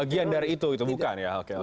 bagian dari itu itu bukan ya